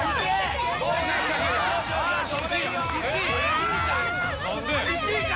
１位か？